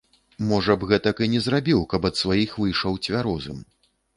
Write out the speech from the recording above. Можа б гэтак і не зрабіў, каб ад сваіх выйшаў цвярозым.